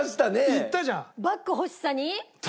言ったじゃん。